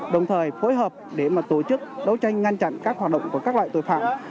đồng thời phối hợp để tổ chức đấu tranh ngăn chặn các hoạt động của các loại tội phạm